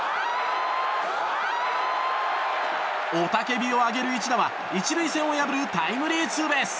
雄たけびを上げる一打は１塁線を破るタイムリーツーベース。